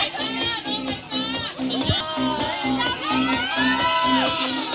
สวัสดีไหล่ปป